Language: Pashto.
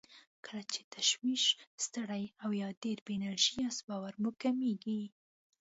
کله چې تشویش، ستړی او يا ډېر بې انرژي ياست باور مو کمېږي.